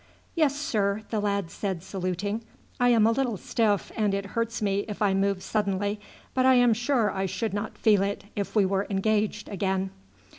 "Yes, sir," the lad said saluting. "I am a little stiff, and it hurts me if I move suddenly, but I am sure I should not feel it if we were engaged again."